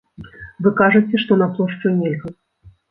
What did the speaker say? Вы кажаце, што на плошчу нельга.